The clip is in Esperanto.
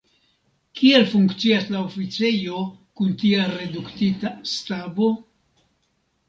Kiel funkcias la oficejo kun tia reduktita stabo?